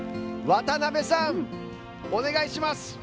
渡邊さん、お願いします！